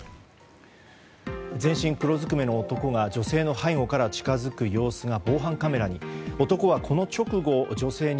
全身黒ずくめの男が女性の背後から近づく様子が防犯カメラに。